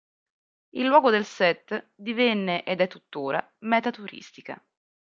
Il luogo del set divenne ed è tuttora meta turistica.